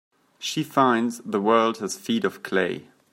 She finds the world has feet of clay.